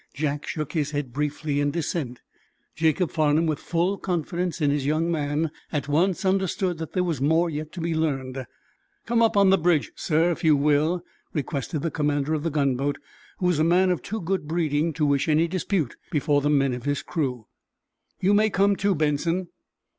Jack shook his head briefly in dissent. Jacob Farnum, with full confidence in his young man, at once understood that there was more yet to be learned. "Come up on the bridge, sir, if you will," requested the commander of the gunboat, who was a man of too good breeding to wish any dispute before the men of the crew. "You may come, too, Benson."